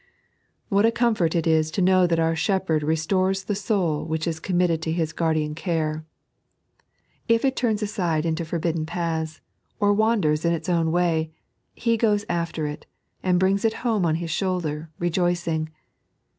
What a comfort it is to know that our Shepherd restores the soul which is committed to His guardian carfc If it turns aside into forbidden paths, or wanders in its own way. He goes after it, and brings it home on His shoulder, i ejoicing.